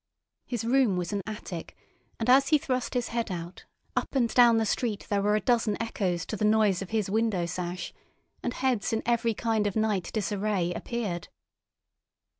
His room was an attic and as he thrust his head out, up and down the street there were a dozen echoes to the noise of his window sash, and heads in every kind of night disarray appeared.